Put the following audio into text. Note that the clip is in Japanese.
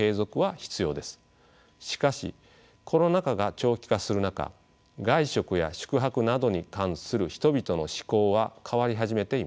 しかしコロナ禍が長期化する中外食や宿泊などに関する人々の嗜好は変わり始めています。